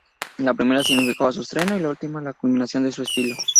La primera significaba su estreno y la última la culminación de su estilo.